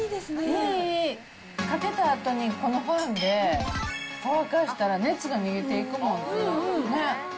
いい、いい、かけたあとにこのファンで乾かしたら熱が逃げていくもん。